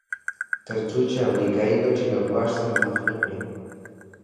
تر څو چې امریکایي ګټې له ګواښ سره مخ نه کړي.